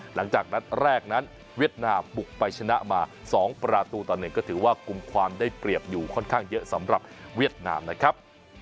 หลังจากนัดแรกนั้นเวียดนามบุกไปชนะมา๒ประตูต่อ๑ก็ถือว่ากลุ่มความได้เปรียบอยู่ค่อนข้างเยอะสำหรับเวียดนามนะครับ